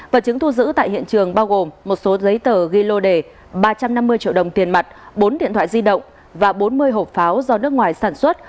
vật chứng thu giữ tại hiện trường bao gồm một số giấy tờ ghi lô đề ba trăm năm mươi triệu đồng tiền mặt bốn điện thoại di động và bốn mươi hộp pháo do nước ngoài sản xuất